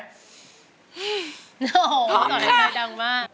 อ๋อหน่อยหน่อยดังมาก